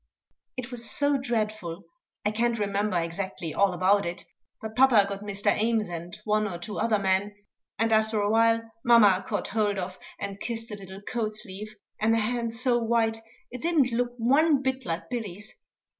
It was so dreadful I can't remember exactly all about it; but papa got Mr. Ames and one or two other men, and after a while mamma caught hold of and kissed a little coat sleeve, and a hand so white it didn't look one bit like Billy's.